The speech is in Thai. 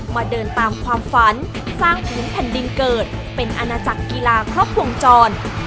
มาเดินตามความฝันสร้างอุณหภัณฑ์ดินเกิดเป็นอาณาจักรกีฬาครอบควงจร